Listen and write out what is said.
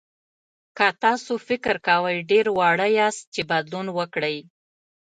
که تاسو فکر کوئ ډېر واړه یاست چې بدلون وکړئ.